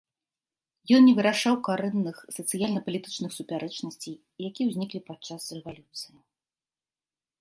Ён не вырашаў карэнных сацыяльна-палітычных супярэчнасцей, якія ўзніклі падчас рэвалюцыі.